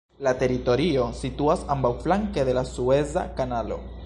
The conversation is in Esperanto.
La teritorio situas ambaŭflanke de la Sueza Kanalo.